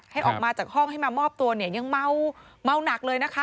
ให้ออกมาจากห้องให้มามอบตัวเนี่ยยังเมาหนักเลยนะคะ